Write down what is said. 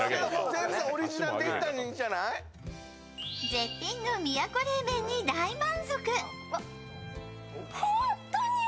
絶品の宮古冷麺に大満足。